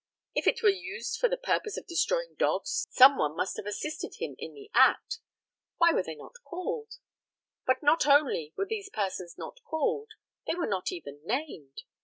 If it were used for the purpose of destroying dogs some one must have assisted him in the act. Why were they not called? But not only were these persons not called, they were not even named.